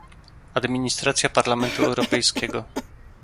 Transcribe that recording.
administracja Parlamentu Europejskiego